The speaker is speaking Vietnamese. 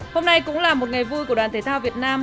hôm nay cũng là một ngày vui của đoàn thể thao việt nam